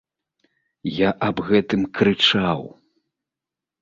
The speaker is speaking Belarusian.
Я аб гэтым крычаў.